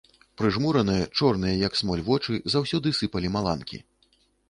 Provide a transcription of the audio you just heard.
Прыжмураныя, чорныя, як смоль, вочы заўсёды сыпалі маланкі.